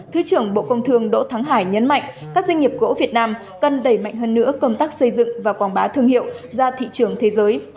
thứ trưởng bộ công thương đỗ thắng hải nhấn mạnh các doanh nghiệp gỗ việt nam cần đẩy mạnh hơn nữa công tác xây dựng và quảng bá thương hiệu ra thị trường thế giới